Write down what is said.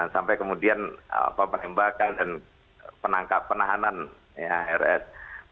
sampai kemudian penembakan dan penahanan hrs